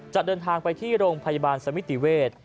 จะเดินทางไปที่โรงพยาบาลสมิติเวศ